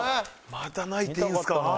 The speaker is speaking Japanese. また泣いていいんですか？